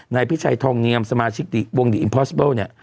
นายพิชัยทองเนียมสมาชิกวงดีอิมพอสเบิลเนี่ย